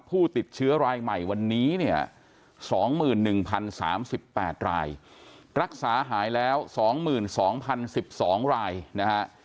ผู้ติดเชื้อรายใหม่วันนี้เนี่ย๒๑๐๓๘รายรักษาหายแล้ว๒๒๐๑๒รายนะฮะ